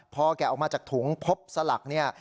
พอแกะออกมาจากถุงพบสลักเนี่ย